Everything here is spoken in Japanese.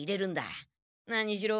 何しろ